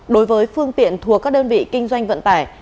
đối với phương tiện thuộc các đơn vị kinh doanh vận tải